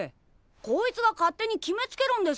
こいつが勝手に決めつけるんです。